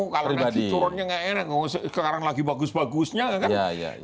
kalau nanti turunnya nggak enak sekarang lagi bagus bagusnya kan